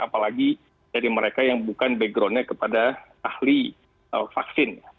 apalagi dari mereka yang bukan backgroundnya kepada ahli vaksin